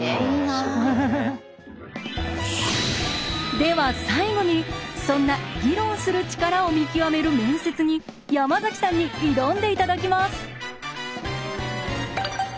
では最後にそんな議論する力を見極める面接に山崎さんに挑んでいただきます。